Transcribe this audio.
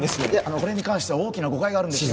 これに関しては大きな誤解があるんですよ